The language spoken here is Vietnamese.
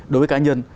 đối với cá nhân